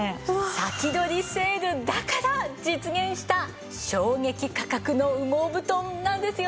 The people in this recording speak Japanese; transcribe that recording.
先取りセールだから実現した衝撃価格の羽毛布団なんですよね。